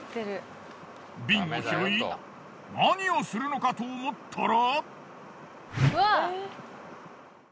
瓶を拾い何をするのかと思ったら。